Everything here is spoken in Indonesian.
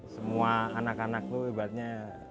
semua anak anak itu hebatnya